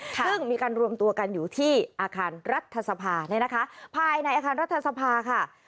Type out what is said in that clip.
ซึ่งมีการรวมตัวกันอยู่ที่อาคารรัฐศพาภายในอาคารรัฐศพาค่ะ